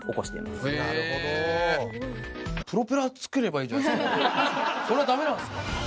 すごい。それはダメなんですか？